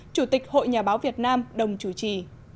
chủ tịch hội nhà báo việt nam đồng chủ trì